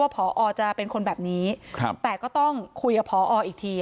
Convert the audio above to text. พอจะเป็นคนแบบนี้แต่ก็ต้องคุยกับพออีกที